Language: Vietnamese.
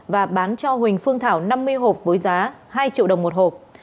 và bán cho huỳnh phương thảo năm mươi hộp với giá hai triệu đồng một hộp